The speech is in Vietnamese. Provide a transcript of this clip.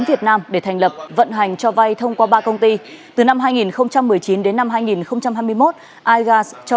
việt nam để thành lập vận hành cho vay thông qua ba công ty từ năm hai nghìn một mươi chín đến năm hai nghìn hai mươi một igas cho